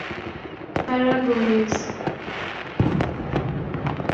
Aragonese